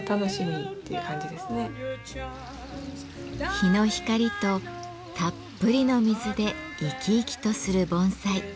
日の光とたっぷりの水で生き生きとする盆栽。